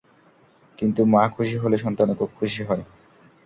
কিন্তু মা খুশি হলে সন্তানও খুব খুশি হয়।